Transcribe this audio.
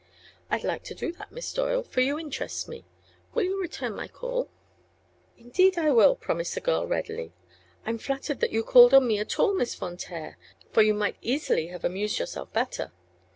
"I'd like to do that, Miss Doyle, for you interest me. Will you return my call?" "Indeed I will," promised the girl, readily. "I'm flattered that you called on me at all, Miss Von Taer, for you might easily have amused yourself better.